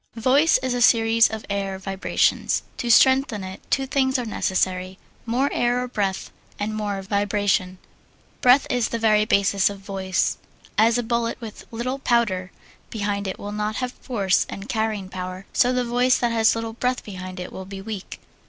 Voice is a series of air vibrations. To strengthen it two things are necessary: more air or breath, and more vibration. Breath is the very basis of voice. As a bullet with little powder behind it will not have force and carrying power, so the voice that has little breath behind it will be weak.